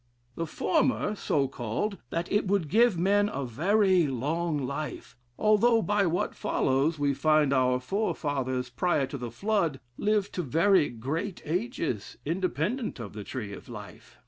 The former so called, that it would give men a very long life, although, by what follows, we find our forefathers, prior to the flood, lived to very great ages, independent of the tree of life.